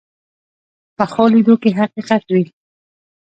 پخو لیدو کې حقیقت وي